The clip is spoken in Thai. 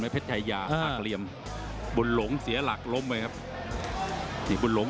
วายแดงนี่เล่นลักเลี่ยน